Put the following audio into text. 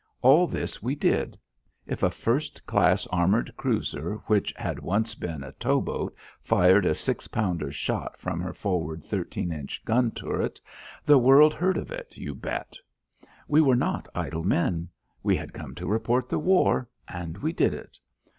All this we did. If a first class armoured cruiser which had once been a tow boat fired a six pounder shot from her forward thirteen inch gun turret, the world heard of it, you bet. We were not idle men. We had come to report the war and we did it.